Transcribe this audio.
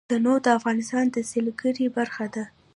تنوع د افغانستان د سیلګرۍ برخه ده.